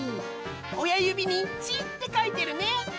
親指に「チ」って書いてるね。